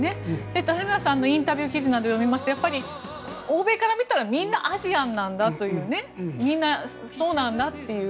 谷村さんのインタビュー記事を見ますとやっぱり欧米から見たらみんなアジアンなんだというみんなそうなんだっていう。